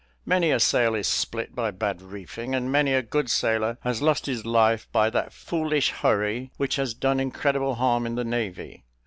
Many a sail is split by bad reefing, and many a good sailor has lost his life by that foolish hurry which has done incredible harm in the navy.